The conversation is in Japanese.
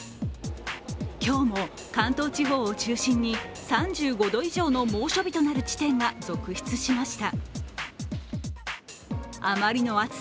今日も、関東地方を中心に３５度以上の猛暑日となる地点が続出しました。